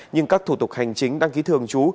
nhưng các thủ tục hành chính đăng ký thường trú